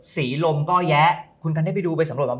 สีลม๓๘คุณกักเด็กไปดูไปสำหรับ